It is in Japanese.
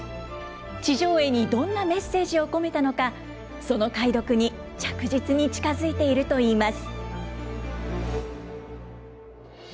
地上絵にどんなメッセージを込めたのか、その解読に着実に近づいているといいます。